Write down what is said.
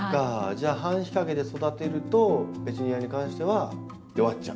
じゃあ半日陰で育てるとペチュニアに関しては弱っちゃう。